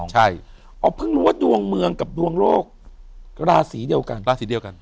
เอาเพิ่งรู้ว่าดวงเมืองกับดวงโลกราศีเดียวกัน